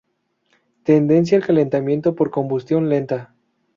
Tendencia al calentamiento por combustión lenta.